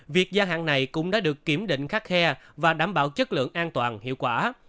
việc gia hạn này cũng đã được kiểm định khắc khe và đảm bảo chất lượng an toàn hiệu quả